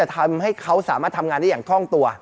ประมาณทำงานได้อย่างคล่องตัว